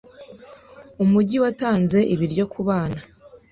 Umujyi watanze ibiryo kubana.